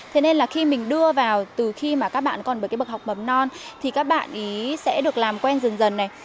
thế nên là khi mình đưa vào từ khi mà các bạn còn bởi cái bậc học mầm non thì các bạn ý sẽ được làm quen dần dần này